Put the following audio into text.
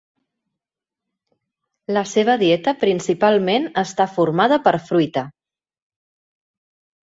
La seva dieta principalment està formada per fruita.